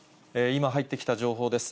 今入ってきた情報です。